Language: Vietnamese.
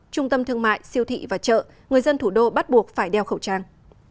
trung tâm thương mại siêu thị và chợ người dân thủ đô bắt buộc phải đeo khẩu trang